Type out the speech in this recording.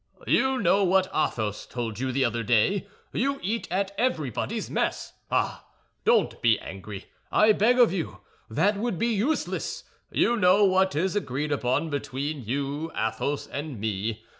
"You know what Athos told you the other day; you eat at everybody's mess. Ah, don't be angry, I beg of you, that would be useless; you know what is agreed upon between you, Athos and me.